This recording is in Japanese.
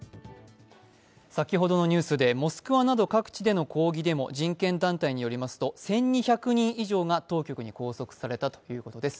先ほどのニュースでモスクワなど各地での抗議デモ、人権団体によりますと、１２００人以上が当局に拘束されたということです。